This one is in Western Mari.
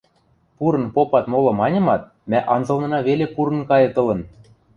Пурын попат моло маньымат, мӓ анзылнына веле пурын кайыт ылын